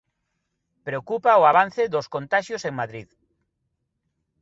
Preocupa o avance dos contaxios en Madrid.